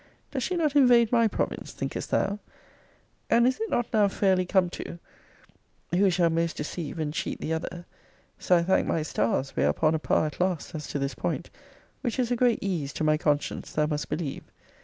Does she not invade my province, thinkest thou? And is it not now fairly come to Who shall most deceive and cheat the other? So, I thank my stars, we are upon a par at last, as to this point, which is a great ease to my conscience, thou must believe.